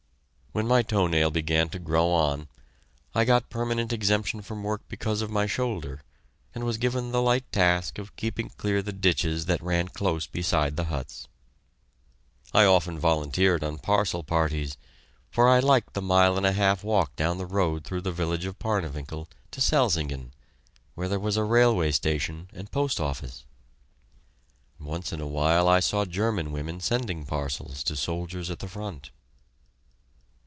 When my toe nail began to grow on, I got permanent exemption from work because of my shoulder, and was given the light task of keeping clear the ditches that ran close beside the huts. I often volunteered on parcel parties, for I liked the mile and a half walk down the road through the village of Parnewinkel to Selsingen, where there was a railway station and post office. Once in a while I saw German women sending parcels to soldiers at the front.